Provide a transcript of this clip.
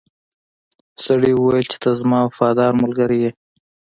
سړي وویل چې ته زما وفادار ملګری یې.